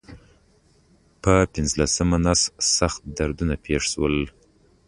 پر پنځلسمه نس سخت دردونه پېښ شول.